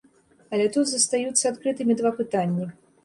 Але тут застаюцца адкрытымі два пытанні.